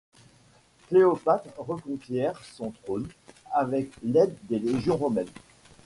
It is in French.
Cléopâtre reconquiert son trône avec l’aide des légions romaines …